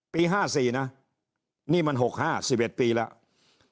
ปี๕๔นะนี่มัน๖๕๑๑ปีแล้ว